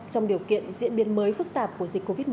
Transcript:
trong điều kiện diễn biến mới phức tạp của dịch covid một mươi